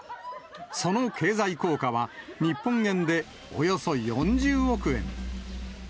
その経済効果は、日本円でおよそ４０億円。